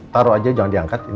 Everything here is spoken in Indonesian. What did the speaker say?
taruh aja jangan diangkat